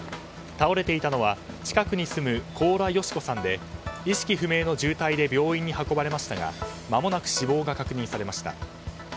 倒れていたのは近くに住む高良整子さんで意識不明の重体で病院に運ばれましたがまもなく死亡が確認されました。